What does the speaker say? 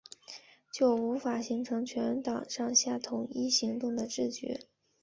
就无法形成全党上下统一行动的自觉